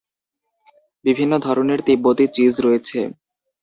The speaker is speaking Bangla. বিভিন্ন ধরণের তিব্বতি চিজ রয়েছে।